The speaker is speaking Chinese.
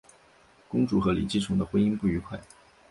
公主和李继崇的婚姻不愉快。